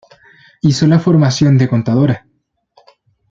Hizo la formación de contadora.